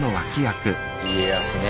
家康ね。